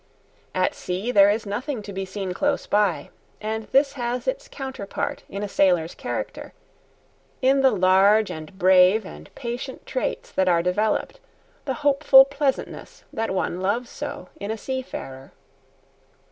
At sea there is nothing to be seen close by, and this has its counterpart in a sailor's character, in the large and brave and patient traits that are developed, the hopeful pleasantness that one loves so in a seafarer.